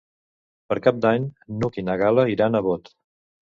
Per Cap d'Any n'Hug i na Gal·la iran a Bot.